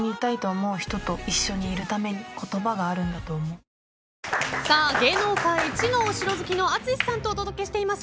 現存天守のところは芸能界一のお城好きの淳さんとお伝えしています